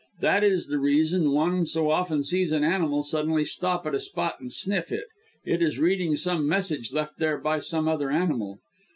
That is the reason one so often sees an animal suddenly stop at a spot and sniff it it is reading some message left there by some other animal.